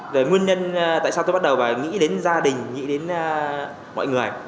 rồi nguyên nhân tại sao tôi bắt đầu là nghĩ đến gia đình nghĩ đến mọi người